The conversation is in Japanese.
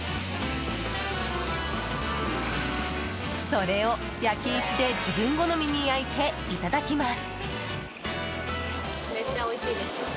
それを焼き石で自分好みに焼いていただきます。